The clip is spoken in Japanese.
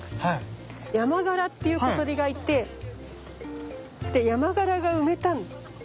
ヤマガラっていう小鳥がいてヤマガラが埋めたの。